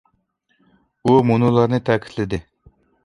ئۇ مۇنۇلارنى تەكىتلىدى.